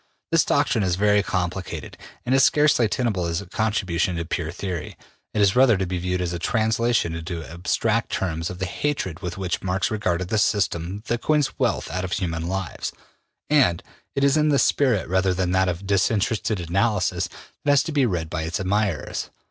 This doctrine is very complicated and is scarcely tenable as a contribution to pure theory. It is rather to be viewed as a translation into abstract terms of the hatred with which Marx regarded the system that coins wealth out of human lives, and it is in this spirit, rather than in that of disinterested analysis, that it has been read by its admirers.